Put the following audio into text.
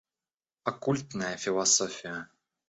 Оккультная философия.